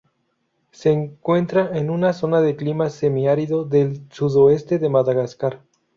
Se encuentra en una zona de clima semiárido, del sudoeste de Madagascar.